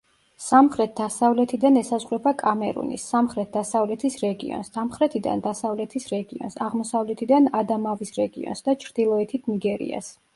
სამხრეთ-დასავლეთიდან ესაზღვრება კამერუნის სამხრეთ-დასავლეთის რეგიონს, სამხრეთიდან დასავლეთის რეგიონს, აღმოსავლეთიდან ადამავის რეგიონს და ჩრდილოეთით ნიგერიას.